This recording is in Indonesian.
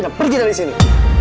dan pergi dari sini